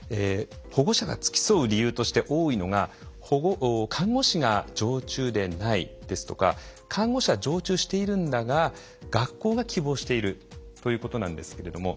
保護者が付き添う理由として多いのが看護師が常駐でないですとか看護師は常駐しているんだが学校が希望しているということなんですけれども。